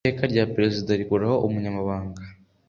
Iteka rya Perezida rikuraho Umunyamabanga .